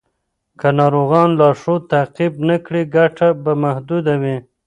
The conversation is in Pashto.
که ناروغان لارښود تعقیب نه کړي، ګټه به محدوده وي.